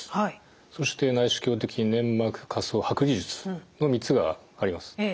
そして内視鏡的粘膜下層剥離術の３つがあります。